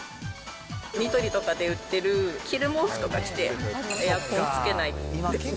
ニトリとかで売ってる着る毛布とか着て、エアコンつけない。